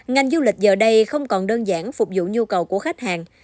ngành du lịch giờ đây không còn đơn giản phục vụ nhu cầu của khách hàng